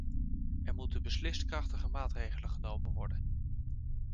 Er moeten beslist krachtige maatregelen genomen worden.